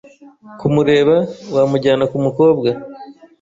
Kumureba, wamujyana kumukobwa.